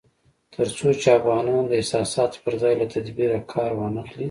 تر څو چې افغانان د احساساتو پر ځای له تدبير کار وانخلي